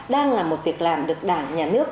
đang là một việc làm được đảng nhà nước